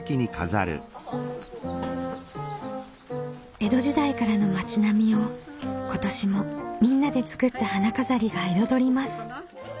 江戸時代からの町並みを今年もみんなで作った花飾りが彩ります。